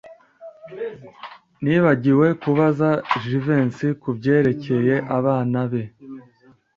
Nibagiwe kubaza Jivency kubyerekeye abana be.